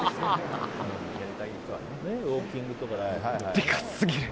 でかすぎる！